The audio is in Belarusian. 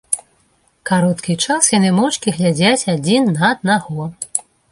Кароткі час яны моўчкі глядзяць адзін на аднаго.